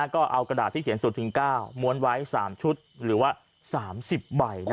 ก็เอากระดาษที่เขียนสุดถึง๙ม้วนไว้๓ชุดหรือว่า๓๐ใบ